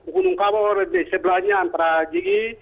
gunung kabo sebelahnya antara gigi